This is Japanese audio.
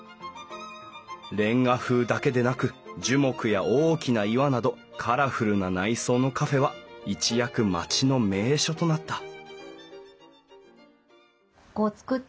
レンガ風だけでなく樹木や大きな岩などカラフルな内装のカフェは一躍町の名所となったここを作っていた